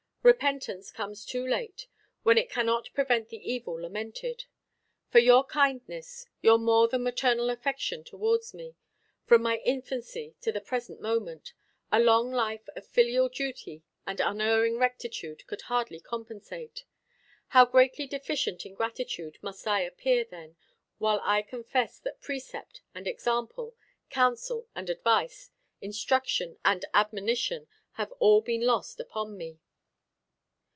Repentance comes too late, when it cannot prevent the evil lamented: for your kindness, your more than maternal affection towards me, from my infancy to the present moment, a long life of filial duty and unerring rectitude could hardly compensate. How greatly deficient in gratitude must I appear, then, while I confess that precept and example, counsel and advice, instruction and admonition, have been all lost upon me!